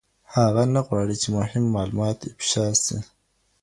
هغه نه غواړي چي مهم معلومات افشا سي.